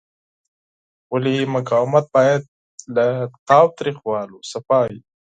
ولې مقاومت باید له تاوتریخوالي پاک وي؟